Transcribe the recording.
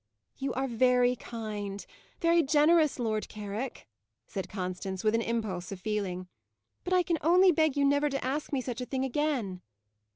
"You are very kind, very generous, Lord Carrick," said Constance, with an impulse of feeling; "but I can only beg you never to ask me such a thing again."